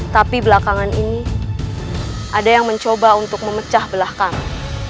tapi belakangan ini ada yang mencoba untuk memecah belah kami